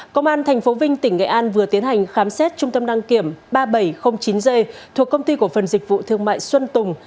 công an tp vinh tỉnh nghệ an vừa tiến hành khám xét trung tâm đăng kiểm ba nghìn bảy trăm linh chín g thuộc công ty cổ phần dịch vụ thương mại xuân tùng